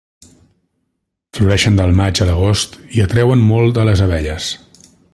Floreixen del maig a l'agost i atreuen molt a les abelles.